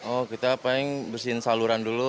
oh kita paling bersihin saluran dulu